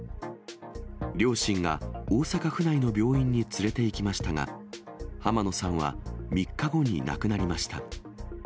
両親が大阪府内の病院に連れていきましたが、浜野さんは３日後に亡くなりました。